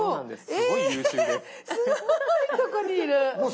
すごいとこにいる！